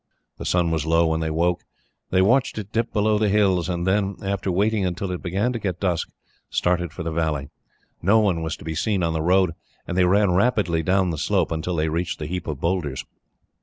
The sun was low when they woke. They watched it dip below the hills, and then, after waiting until it began to get dusk, started for the valley. No one was to be seen on the road, and they ran rapidly down the slope, until they reached the heap of boulders.